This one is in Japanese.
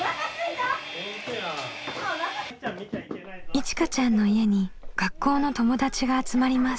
いちかちゃんの家に学校の友達が集まります。